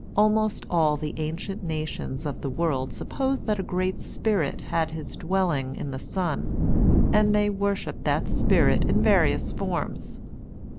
Almost all the ancient nations of the world supposed that a Great Spirit had his dwelling in the sun, and they worshipped that Spirit in various forms.